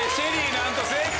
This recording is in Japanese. なんと正解！